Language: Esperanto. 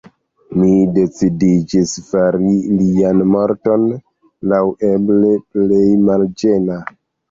Mi decidiĝis fari lian morton laŭeble plej malĝena.